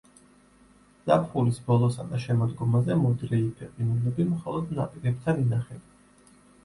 ზაფხულის ბოლოსა და შემოდგომაზე მოდრეიფე ყინულები მხოლოდ ნაპირებთან ინახება.